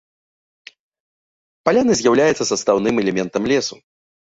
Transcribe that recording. Паляны з'яўляюцца састаўным элементам лесу.